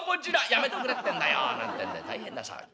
「やめとくれってんだよ」なんてんで大変な騒ぎ。